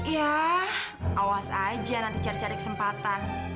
ya awas aja nanti cari cari kesempatan